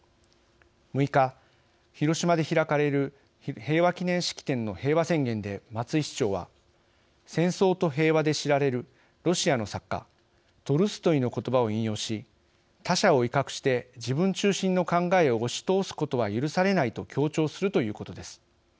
６日、広島で開かれる平和祈念式典の平和宣言で松井市長は「戦争と平和」で知られるロシアの作家トルストイの言葉を引用し「他者を威嚇して自分中心の考えを押し通すことは許されない」と強調するということです。